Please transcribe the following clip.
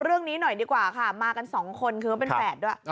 เรื่องนี้หน่อยดีกว่าค่ะมากันสองคนคือเขาเป็นแฝดด้วย